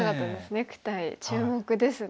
ネクタイ注目ですね。